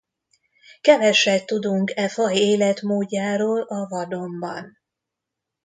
Keveset tudunk e faj életmódjáról a vadonban.